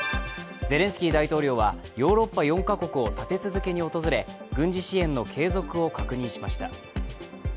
ゼレンスキー大統領はヨーロッパ４か国を立て続けに訪れ軍事支援の継続を確認しました。